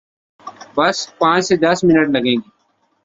بس پانچھ سے دس منٹ لگئیں گے۔